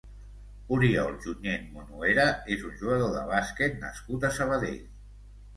Oriol Junyent Monuera és un jugador de bàsquet nascut a Sabadell.